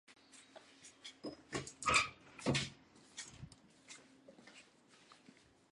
夏尔被他的侄子推翻下台后加洛林王朝的大帝国正式四分五裂了。